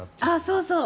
そうそう。